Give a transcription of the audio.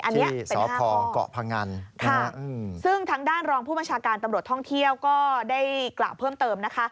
อันนี้สพเกาะพงันซึ่งทางด้านรองผู้บัญชาการตำรวจท่องเที่ยวก็ได้กล่าวเพิ่มเติมนะคะ